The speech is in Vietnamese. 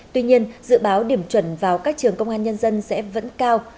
tuy nhiên dự báo điểm chuẩn vào các trường công an nhân dân sẽ vẫn cao